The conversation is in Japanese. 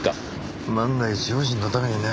万が一用心のためにね。